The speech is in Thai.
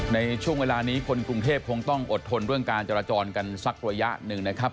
ในช่วงเวลานี้คนกรุงเทพคงต้องอดทนเรื่องการจราจรกันสักระยะหนึ่งนะครับ